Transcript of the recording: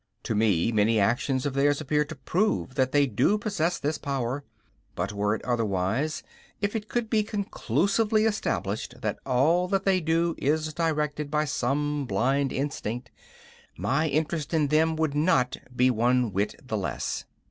To me, many actions of theirs appear to prove that they do possess this power; but, were it otherwise, if it could be conclusively established that all that they do is directed by some blind instinct, my interest in them would not be one whit the less.